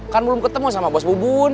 kan belum ketemu sama bos bubun